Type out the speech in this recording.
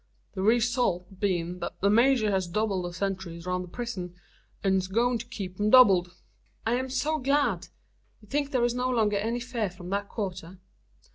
The ree sult's been thet the major hez doubled the sentries roun' the prison, an's goin' to keep 'em doubled." "I am so glad! You think there is no longer any fear from that quarter?"